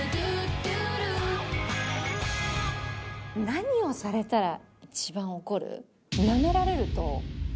何をされたら一番怒る？